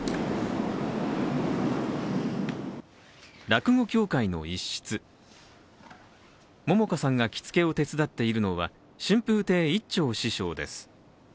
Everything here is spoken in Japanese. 落語協会の一室、桃花さんが着付けを手伝っているのは春風亭一朝師匠です。